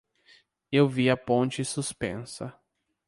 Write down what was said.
Eu vi a ponte suspensa.